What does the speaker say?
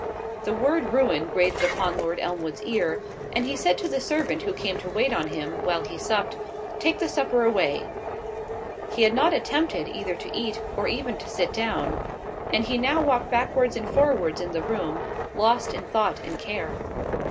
The word ruin grated upon Lord Elmwood's ear, and he said to the servant who came to wait on him, while he supped, "Take the supper away." He had not attempted either to eat, or even to sit down; and he now walked backwards and forwards in the room, lost in thought and care.